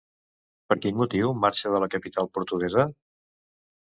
Per quin motiu marxa de la capital portuguesa?